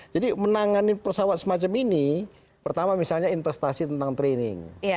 jadi menangani pesawat semacam ini pertama misalnya investasi tentang training